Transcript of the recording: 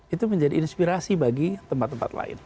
itu menjadi inspirasi bagi tempat tempat lain